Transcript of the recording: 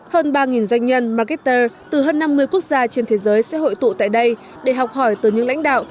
hơn ba doanh nhân marketer từ hơn năm mươi quốc gia trên thế giới sẽ hội tụ tại đây để học hỏi từ những lãnh đạo